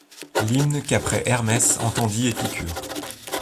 L’hymne qu’après Hermès entendit Épicure ;